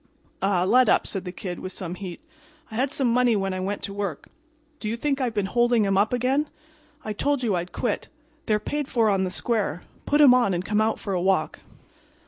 "Ah, let up," said the Kid, with some heat. "I had some money when I went to work. Do you think I've been holding 'em up again? I told you I'd quit. They're paid for on the square. Put 'em on and come out for a walk."